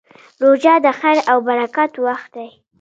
روژه د خیر او برکت وخت دی.